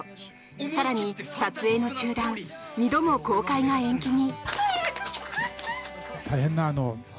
更に撮影の中断２度も公開が延期に。